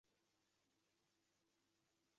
Sen hayot ekansan —